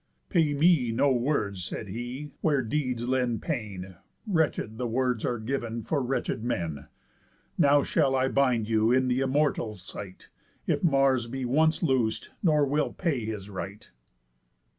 "Pay me, no words," said he, "where deeds lend pain, Wretched the words are giv'n for wretched men. How shall I bind you in th' Immortals' sight, If Mars be once loos'd, nor will pay his right?"